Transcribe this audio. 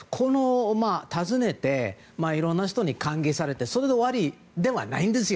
訪ねていろいろな人に歓迎されてそれで終わりではないんですよ。